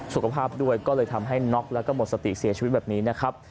สุขภาพด้วยก็เลยทำให้น็อกแล้วก็หมดสติเสียชีวิตแบบนี้นะครับ